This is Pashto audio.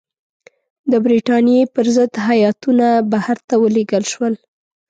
د برټانیې پر ضد هیاتونه بهر ته ولېږل شول.